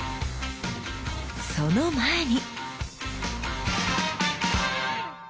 その前に！